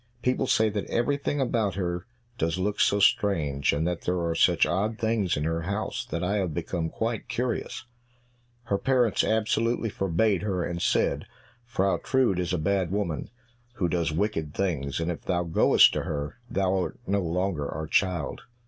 People say that everything about her does look so strange, and that there are such odd things in her house, that I have become quite curious!" Her parents absolutely forbade her, and said, "Frau Trude is a bad woman, who does wicked things, and if thou goest to her; thou art no longer our child."